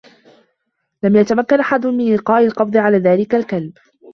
لم يتمكّن أحد من إلقاء القبض على ذلك الكلب.